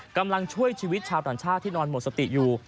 กำลังช่วยชีวิตชาวต่างชาติที่นอนหมดสติอยู่